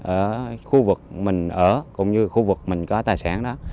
ở khu vực mình ở cũng như khu vực mình có tài sản đó